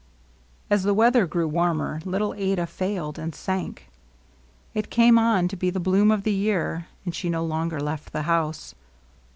As the weather grew warmer, little Adah failed and sank. It came on to be the bloom of the year, and she no longer left the house.